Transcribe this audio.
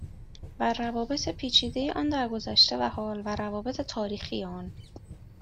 و روابط پیچیده آن در گذشته و حال و روابط تاریخی آن